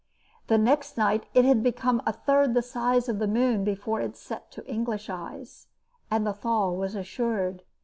The next night it had become a third the size of the moon before it set to English eyes, and the thaw was assured.